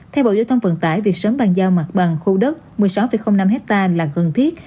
theo bộ giao thông vận tải việc sớm bàn giao mặt bằng khu đất một mươi sáu năm hectare là cần thiết